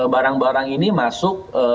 barang barang ini masuk